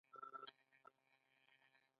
الماري د خلکو د طبعیت په اساس جوړیږي